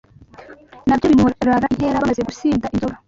Na byo bimurara inkera bamaze gusinda inzoga